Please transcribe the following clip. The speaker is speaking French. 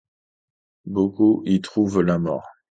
Beaucoup y trouvent la mort.